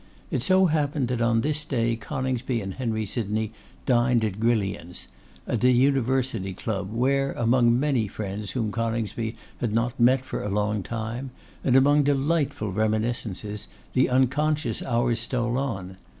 It so happened that on this day Coningsby and Henry Sydney dined at Grillion's, at an university club, where, among many friends whom Coningsby had not met for a long time, and among delightful reminiscences, the unconscious hours stole on.